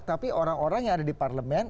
tapi orang orang yang ada di parlemen